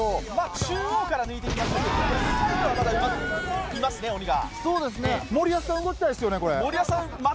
中央から抜いていきましたが、サイドはまだいますね、鬼が。